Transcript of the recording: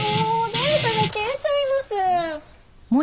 データが消えちゃいます。